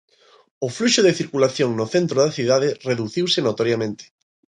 O fluxo de circulación no centro da cidade reduciuse notoriamente.